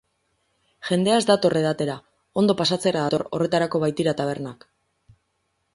Jendea ez dator edatera, ondo pasatzera dator, horretarako baitira tabernak.